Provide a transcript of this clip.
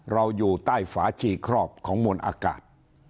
เราอยู่ใต้ฝาฉี่ครอบของมนอากาศ